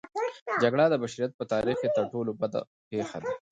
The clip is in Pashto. جګړه د بشریت په تاریخ کې تر ټولو بده پېښه ده.